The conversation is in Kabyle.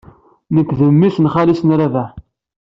Nekk d memmi-s n xali-s n Rabaḥ.